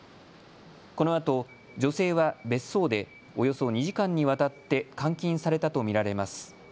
このあと女性は別荘でおよそ２時間にわたって監禁されたと見られます。